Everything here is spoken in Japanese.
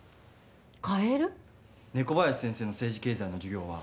猫林先生の政治経済の授業は。